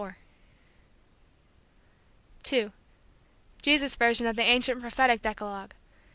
(2) Jesus' Version of the Ancient Prophetic Decalogue.